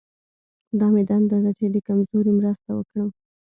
دا مې دنده ده چې د کمزوري مرسته وکړم.